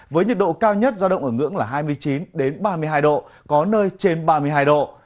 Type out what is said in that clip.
với nhiệt độ cao nhất giao động ở ngưỡng là hai mươi chín ba mươi hai độ có nơi trên ba mươi hai độ